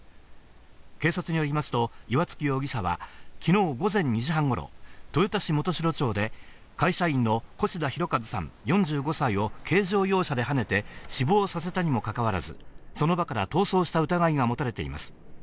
警察によりますと、岩附容疑者は昨日午前２時半頃、豊田市元城町で会社員の越田弘一さん４５歳を軽乗用車ではねて、死亡させたにもかかわらずその場から逃走した疑いが持たれています。